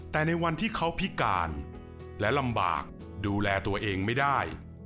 แต่ในวันที่เขาพิการและลำบากดูแลตัวเองไม่ได้